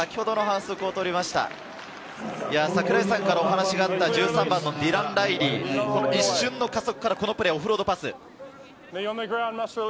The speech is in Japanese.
先ほどの反則を取りました、１３番のディラン・ライリー、一瞬の加速からこのプレー、オフロードパス。